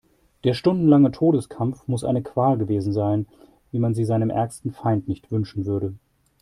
Der stundenlange Todeskampf muss eine Qual gewesen sein, wie man sie seinem ärgsten Feind nicht wünschen würde.